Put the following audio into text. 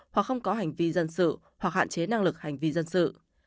hoặc không có hành vi dân sự hoặc hạn chế năng lực hành vi dân sự